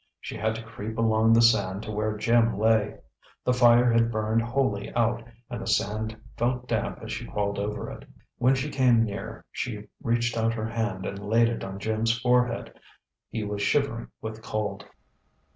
She had to creep along the sand to where Jim lay. The fire had burned wholly out, and the sand felt damp as she crawled over it. When she came near, she reached out her hand and laid it on Jim's forehead. He was shivering with cold.